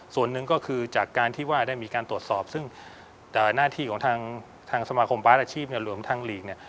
ส่วนหนึ่งก็คือจากการที่ว่าได้มีการตรวจสอบซึ่งหน้าที่ของทางสมาคมบาสอาชีพรวมทางลีกเนี่ย